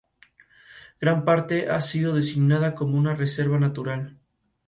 La pelea entre Roy Nelson y Antônio Rodrigo Nogueira sirvió como evento estelar.